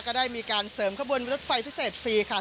ก็ได้มีการเสริมขบวนรถไฟพิเศษฟรีค่ะ